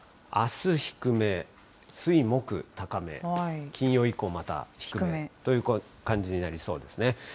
あす低め、水、木、高め、金曜以降、また低めという感じになりそうですね。